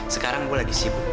sekarang gue lagi sibuk